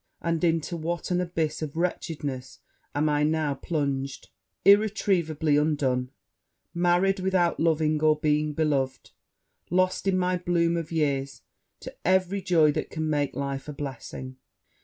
and into what an abyss of wretchedness am I now plunged! Irretrievably undone married without loving or being beloved lost in my bloom of years to every joy that can make life a blessing!'